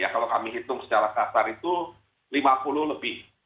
kalau kami hitung secara kasar itu lima puluh lebih